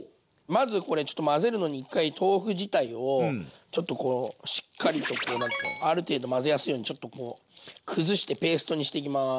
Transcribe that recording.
まずこれちょっと混ぜるのに一回豆腐自体をちょっとこうしっかりとこう何て言うのある程度混ぜやすいようにちょっとこうくずしてペーストにしていきます。